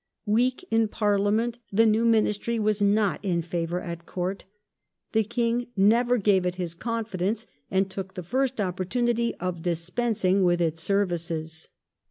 Weak in Parliament the new Ministry was not in favour at Court. The King never gave it his confidence, and took the first opportunity of dispensing with its services.